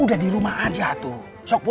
assalamu'alaikum pak ji